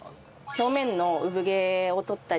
表面の産毛をとったり